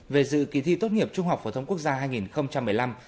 về dự kỳ thi tốt nghiệp trung học phổ thông quốc gia hai nghìn một mươi năm